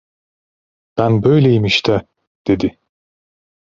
Ben böyleyim işte! dedi.